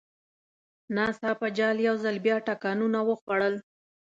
ناڅاپه جال یو ځل بیا ټکانونه وخوړل.